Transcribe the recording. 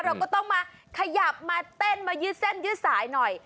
เราก็ต้องมาขยับมาเต้นมายืดเส้นยืดสายหน่อย